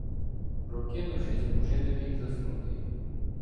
Прокинувшись, уже не міг заснути.